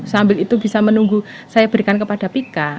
sambil itu bisa menunggu saya berikan kepada pika